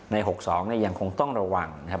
๖๒ยังคงต้องระวังนะครับ